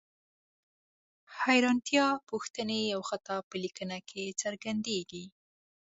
حیرانتیا، پوښتنې او خطاب په لیکنه کې څرګندیږي.